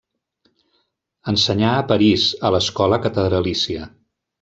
Ensenyà a París, a l'Escola catedralícia.